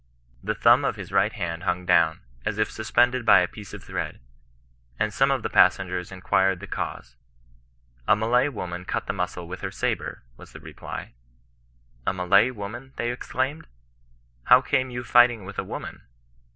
The thumb of his right hand hung down^ as if suspended by a piece of thre^ ; and some of the passengers inquired the cause ;^< A Malay woman cut the muscle with her sabre," was the reply. '^ A Malay woman !" they exclaimed. " How came you fighting with a woman